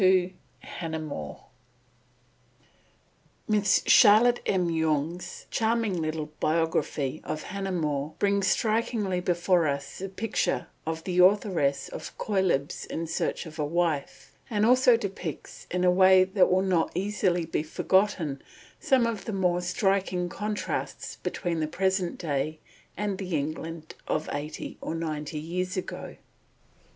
XXII HANNAH MORE MISS CHARLOTTE M. YONGE'S charming little biography of Hannah More brings strikingly before us the picture of the authoress of Cœlebs in Search of a Wife, and also depicts in a way that will not easily be forgotten, some of the more striking contrasts between the present day and the England of eighty or ninety years ago.